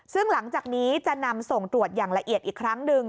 ซึ่งหลังจากนี้จะนำส่งตรวจอย่างละเอียดอีกครั้งหนึ่ง